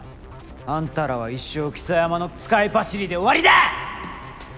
あんたらは一生象山の使いっ走りで終わりだ！